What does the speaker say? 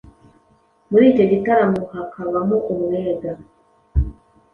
Muri icyo gitaramo hakabamo umwega